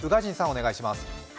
お願いします。